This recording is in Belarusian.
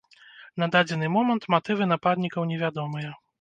На дадзены момант матывы нападнікаў невядомыя.